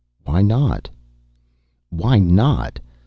"Why not?" "Why not!